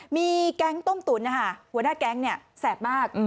มีแก๊งต้มตุ๋นนะคะหัวหน้าแก๊งแสบมาก